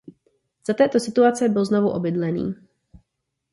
Za této situace byl znovu obydlený.